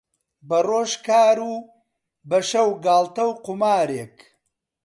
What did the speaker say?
بەڕۆژ کار و بەشەو گاڵتە و قومارێک